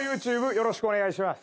よろしくお願いします